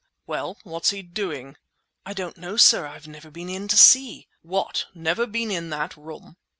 "Well, what's he doing?" "I don't know, sir; I've never been in to see!" "What! never been in that room?"